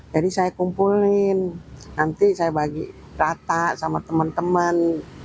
jadi saya kumpulin nanti saya bagi rata sama teman teman